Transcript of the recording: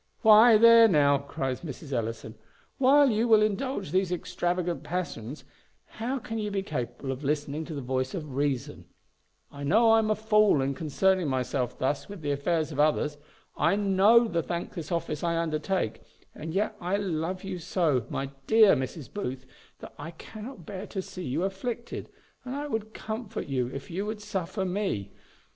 "Why, there now," cries Mrs. Ellison, "while you will indulge these extravagant passions, how can you be capable of listening to the voice of reason? I know I am a fool in concerning myself thus with the affairs of others. I know the thankless office I undertake; and yet I love you so, my dear Mrs. Booth, that I cannot bear to see you afflicted, and I would comfort you if you would suffer me.